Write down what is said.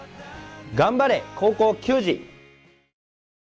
頑張れ、高校球児！